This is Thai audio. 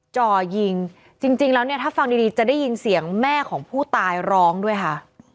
จ่อยิงจริงแล้วเนี่ยถ้าฟังดีจะได้ยินเสียงแม่ของผู้ตายร้องด้วยค่ะ